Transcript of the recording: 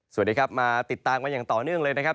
สวัสดีครับมาติดตามกันอย่างต่อเนื่องเลยนะครับ